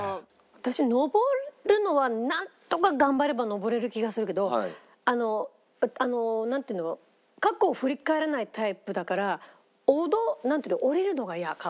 私登るのはなんとか頑張れば登れる気がするけどあのなんていうの過去を振り返らないタイプだからなんていうの。